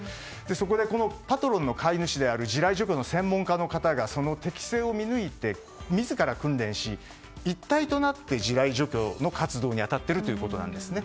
そこでパトロンの飼い主である地雷除去の専門家の方が適性を見抜いて自ら訓練し、一体となって地雷除去の活動に当たっているということです。